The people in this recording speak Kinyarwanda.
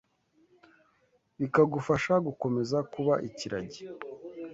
bikagufasha gukomeza kuba ikiragi;